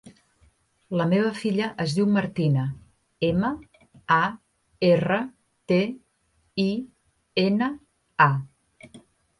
La meva filla es diu Martina: ema, a, erra, te, i, ena, a.